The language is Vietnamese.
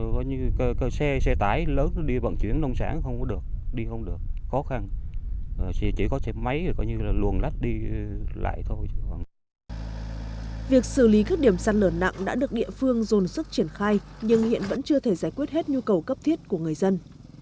việc xử lý các điểm sạt lở nặng đã được địa phương dồn sức triển khai nhưng hiện vẫn chưa thể giải quyết hết nhu cầu cấp thiết của người dân